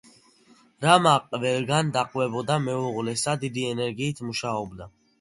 რამა ყველგან დაყვებოდა მეუღლეს და დიდი ენერგიით მუშაობდა.